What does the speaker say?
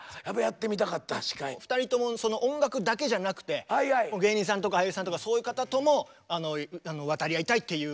２人とも音楽だけじゃなくて芸人さんとか俳優さんとかそういう方とも渡り合いたいっていう。